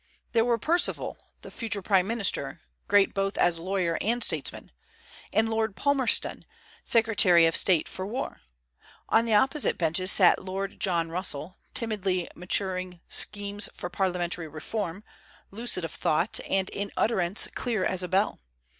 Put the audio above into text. There were Perceval, the future prime minister, great both as lawyer and statesman; and Lord Palmerston, secretary of state for war. On the opposite benches sat Lord John Russell, timidly maturing schemes for parliamentary reform, lucid of thought, and in utterance clear as a bell.